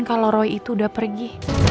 kalau roy itu udah pergi